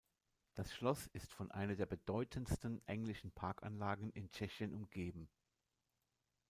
Das Schloss ist von einer der bedeutendsten englischen Parkanlagen in Tschechien umgeben.